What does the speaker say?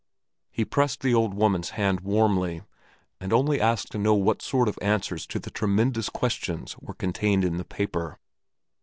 He pressed the old woman's hand warmly and only asked to know what sort of answers to the tremendous questions were contained in the paper.